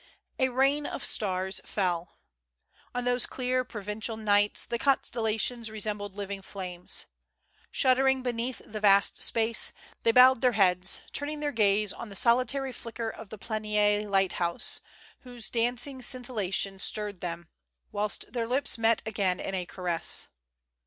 A rain of stars fell. On those clear Proven§al nights the constellations resem bled living flames. Shuddering beneath the vast space, they bowed their heads, turning their gaze on the solitary flicker of the Planier lighthouse, whose dancing scintilla tion stirred them, whilst their lips met again in a caress.